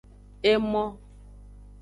Emo.